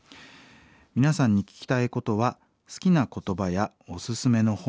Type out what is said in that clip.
皆さんに聞きたいことは好きな言葉やおすすめの本。